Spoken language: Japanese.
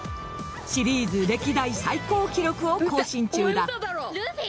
シリーズ歴代最高記録を更新中だ。